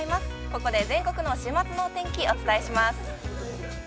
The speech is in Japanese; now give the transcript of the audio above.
ここで全国の週末のお天気をお伝えします。